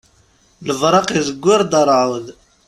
Lberq izewwir-d rreεḍ.